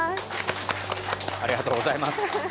ありがとうございます